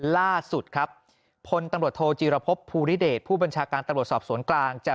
ล่าสุดครับพลธจีรพพภูริเดนผู้บัญชาการตรวจสอบสวนกลางจะ